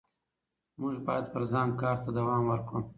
موږ باید پر ځان کار ته دوام ورکړو